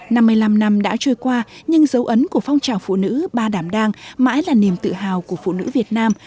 năm mươi năm năm đã trôi qua nhưng dấu ấn của phong trào phụ nữ ba đảm đang mãi là niềm tự hào của phụ nữ việt nam